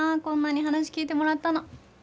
こんなに話聞いてもらったの。